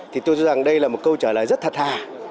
thì tôi cho rằng đây là một câu trả lời rất thật hà